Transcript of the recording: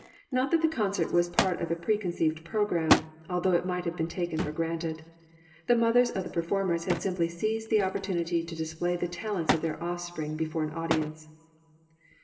Not that the concert was part of a preconceived program, although it might have been taken for granted. The mothers of the performers had simply seized the opportunity to display the talents of their offspring before an audience.